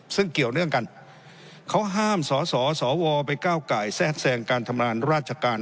ซึ่งเกี่ยวเนื่องกันเขาห้ามสสวไปก้าวไก่แทรกแทรงการทำงานราชการ